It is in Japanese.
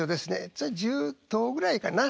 それ１０ぐらいかな。